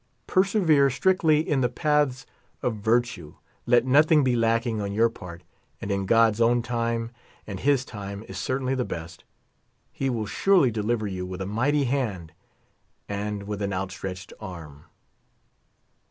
Persevere strictly in the paths of virtue. Let nothing be lacking on your part, and in God's own time, and his time is certainly the best, he will surely deliver you with a mighty hand/ and with an outstretched arm.